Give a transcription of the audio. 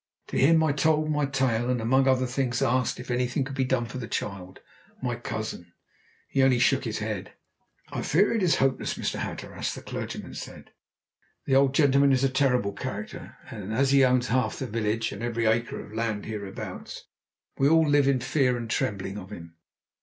To him I told my tale, and, among other things, asked if anything could be done for the child my cousin. He only shook his head. "I fear it is hopeless, Mr. Hatteras," the clergyman said. "The old gentleman is a terrible character, and as he owns half the village, and every acre of the land hereabouts, we all live in fear and trembling of him.